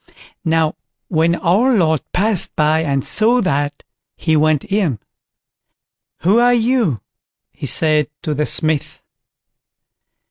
_ Now when our Lord passed by and saw that, he went in. "Who are you?" he said to the Smith.